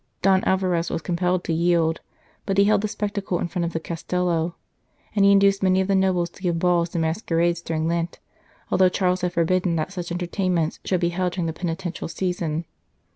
Don Alvarez was compelled to yield, but he held the spectacle in front of the Castello ; and he induced many of the nobles to give balls and masquerades during Lent, although Charles had forbidden that such entertainments should be held during the penitential season.